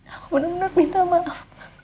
aku benar benar minta maaf